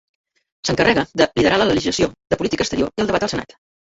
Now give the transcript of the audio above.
S'encarrega de liderar la legislació de política exterior i el debat al Senat.